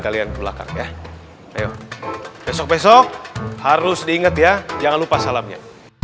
kalian ke belakang ya ayo besok besok harus diingat ya jangan lupa salamnya